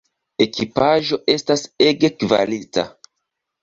Ekipaĵo estas ege kvalita.